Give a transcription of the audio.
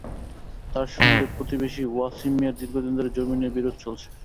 তাঁর সঙ্গে প্রতিবেশী ওয়াসিম মিয়ার দীর্ঘদিন ধরে জমি নিয়ে বিরোধ চলছে।